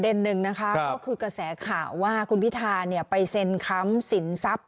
สินทรัพย์สินทรัพย์สินทรัพย์สินทรัพย์